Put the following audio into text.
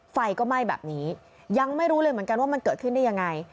ไฟก็ไหม้แบบนี้ยังไม่รู้เลยเหมือนกันว่ามันเกิดขึ้นได้ยังไง